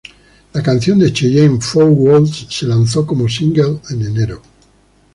La canción de Cheyenne "Four Walls" se lanzó como single en enero.